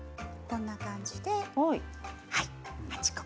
こんな感じで８個。